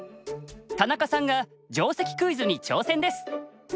田中さんが定石クイズに挑戦です。